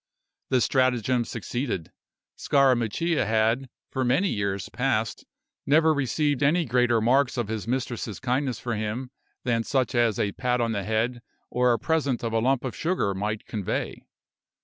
The stratagem succeeded. Scarammuccia had, for many years past, never received any greater marks of his mistress's kindness for him than such as a pat on the head or a present of a lump of sugar might convey.